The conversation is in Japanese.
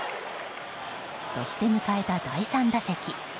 そして迎えた第３打席。